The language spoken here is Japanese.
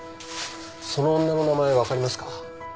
その女の名前わかりますか？